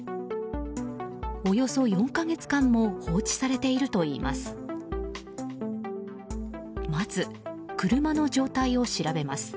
およそ４か月間も放置されているといいます。